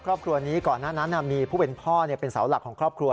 ครอบครัวนี้ก่อนหน้านั้นมีผู้เป็นพ่อเป็นเสาหลักของครอบครัว